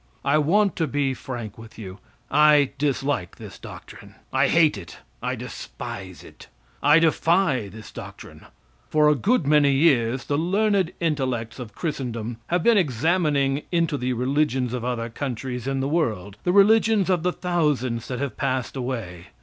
I want to be frank with you. I dislike this doctrine, I hate it, I despise it; I defy this doctrine. For a good many years the learned intellects of christendom have been examining into the religions of other countries in the world, the religions of the thousands that have passed away.